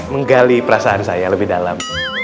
menggali perasaan saya lebih dalam